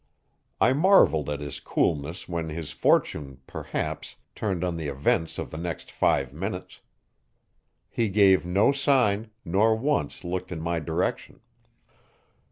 I marveled at his coolness when his fortune, perhaps, turned on the events of the next five minutes. He gave no sign, nor once looked in my direction.